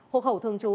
hộ khẩu thường trú